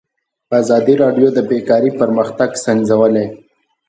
ازادي راډیو د بیکاري پرمختګ سنجولی.